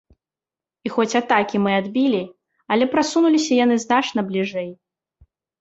І хоць атакі мы адбілі, але прасунуліся яны значна бліжэй.